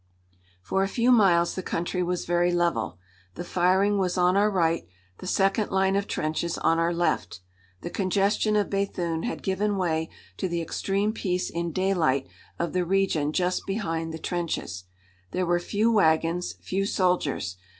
For a few miles the country was very level. The firing was on our right, the second line of trenches on our left. The congestion of Béthune had given way to the extreme peace in daylight of the region just behind the trenches. There were few wagons, few soldiers.